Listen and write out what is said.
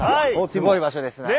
すごい場所ですね。